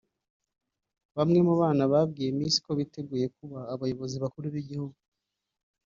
Bamwe mu bana babwiye Miss ko biteguye kuba abayobozi bakuru b’igihugu